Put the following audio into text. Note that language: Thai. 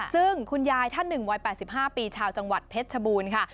ซึ่งคุณยายท่านหนึ่งวัย๘๕ปีชาวจังหวัดเพชรชบูรณ์ค่ะ